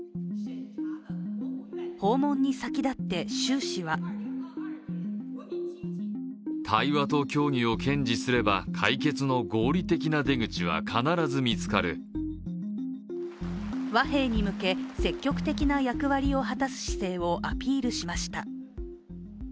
訪問に先立って習氏は和平に向け積極的な役割を果たす姿勢をアピールしました。